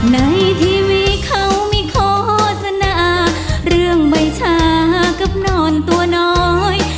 ในทีวีเขาไม่โฆษณาเรื่องใบชากับนอนตัวน้อย